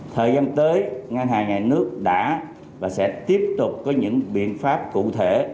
thời gian tới ngân hàng nhà nước đã và sẽ tiếp tục có những biện pháp cụ thể